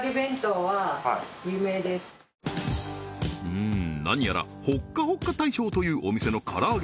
うん何やらほっかほっか大将というお店の唐揚